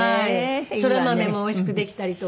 そら豆もおいしくできたりとかして。